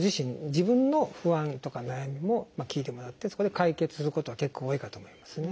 自分の不安とか悩みも聞いてもらってそこで解決することは結構多いかと思いますね。